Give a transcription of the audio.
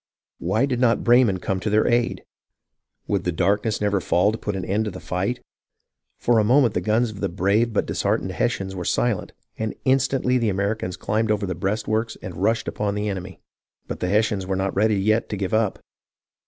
Why did not Breyman come to their aid ? Would the darkness never fall to put an end to the fight ? For a moment the guns of the brave but disheartened Hessians were silent, and instantly the Americans climbed over the breastworks and rushed upon the enemy. ^"* BENNINGTON 1 89 But the Hessians were not yet ready to give up.